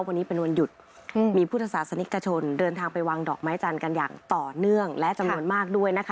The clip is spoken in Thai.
วันนี้เป็นวันหยุดมีพุทธศาสนิกชนเดินทางไปวางดอกไม้จันทร์กันอย่างต่อเนื่องและจำนวนมากด้วยนะคะ